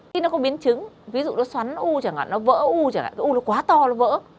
khi nó có biến chứng ví dụ nó xoắn u chẳng hạn nó vỡ u chẳng hạn cái u nó quá to nó vỡ